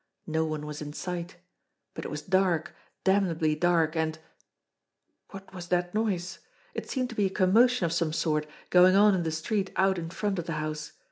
No one was in sight. But it was dark, damnably dark, and What was that noise? It seemed to be a commotion of some sort going on in the street out in front of the house.